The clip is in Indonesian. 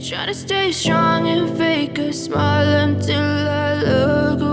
hai abah makan dulu